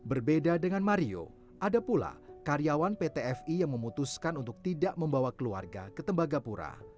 berbeda dengan mario ada pula karyawan pt fi yang memutuskan untuk tidak membawa keluarga ke tembagapura